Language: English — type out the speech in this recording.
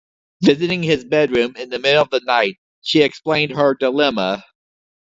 Visiting his bedroom in the middle of the night, she explained her dilemma.